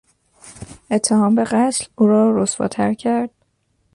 اتهام به قتل او را رسواتر کرد.